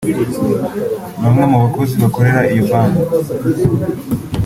Bamwe mu bakozi bakorera iyo banki